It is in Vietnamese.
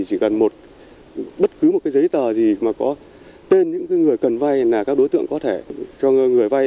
chỉ cần một bất cứ một cái giấy tờ gì mà có tên những người cần vay là các đối tượng có thể cho người vay